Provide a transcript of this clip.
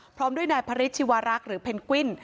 พร้อมด้วยนายพระฤทธิวารักษ์หรือเพนกวิน